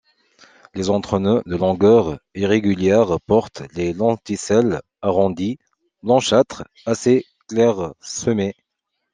Les entre-nœuds de longueur irrégulière portent des lenticelles arrondies, blanchâtres, assez clairsemées.